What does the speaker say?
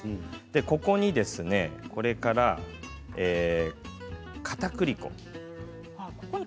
ここに、これからかたくり粉。